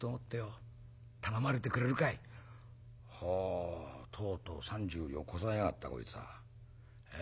とうとう３０両こさえやがったこいつは。ええ？